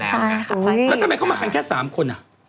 แล้วทำไมเขามาคันแค่๓คนอ่ะ